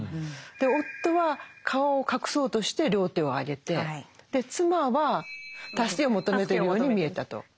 夫は顔を隠そうとして両手を上げて妻は助けを求めているように見えたと。